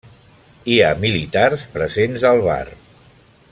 Hi ha militars presents al bar.